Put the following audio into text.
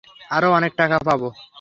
আরও অনেক টাকা পাব।